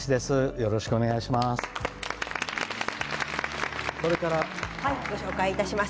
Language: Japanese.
よろしくお願いします。